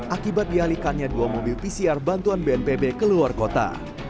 akibat dialihkannya dua mobil pcr bantuan bnpb ke luar kota